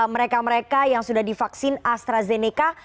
mereka mereka yang sudah divaksin astrazeneca